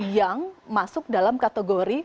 yang masuk dalam kategori